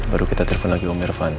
baru kita telepon lagi om irvan